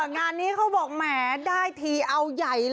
งานนี้เขาบอกแหมได้ทีเอาใหญ่เลย